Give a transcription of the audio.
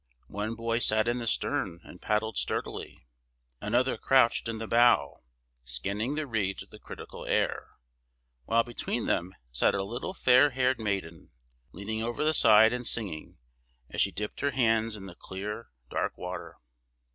One boy sat in the stern and paddled sturdily: another crouched in the bow, scanning the reeds with a critical air, while between them sat a little fair haired maiden, leaning over the side and singing, as she dipped her hands in the clear, dark water.